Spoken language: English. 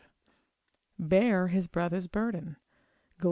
v; bear his brother's burthen, Gal.